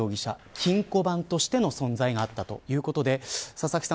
金庫番としての存在があったということで佐々木さん